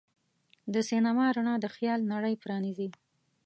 د سینما رڼا د خیال نړۍ پرانیزي.